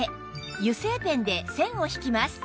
油性ペンで線を引きます